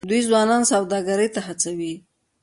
دوی ځوانان سوداګرۍ ته هڅوي.